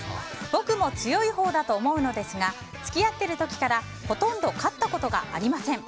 僕も強いほうだと思うのですが付き合ってる時からほとんど勝ったことがありません。